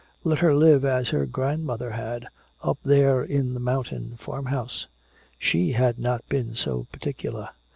Let her live as her grandmother had, up there in the mountain farmhouse. She had not been so particular.